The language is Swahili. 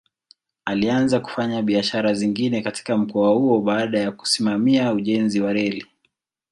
Alianza kufanya biashara zingine katika mkoa huo baada ya kusimamia ujenzi wa reli.